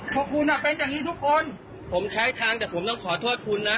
เพราะคุณอ่ะเป็นอย่างนี้ทุกคนผมใช้ทางแต่ผมต้องขอโทษคุณนะ